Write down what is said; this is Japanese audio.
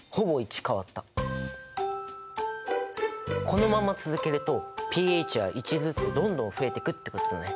このまま続けるとｐＨは１ずつどんどん増えてくってことだね。